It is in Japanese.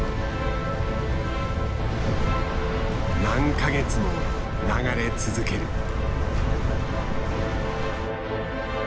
何か月も流れ続ける。